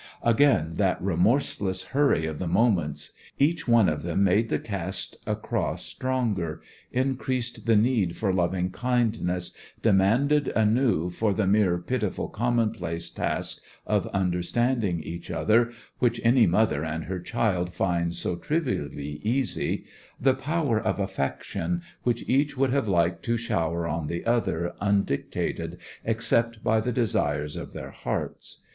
Again that remorseless hurry of the moments! Each one of them made the cast across longer, increased the need for loving kindness, demanded anew, for the mere pitiful commonplace task of understanding each other which any mother and her child find so trivially easy the power of affection which each would have liked to shower on the other undictated except by the desires of their hearts.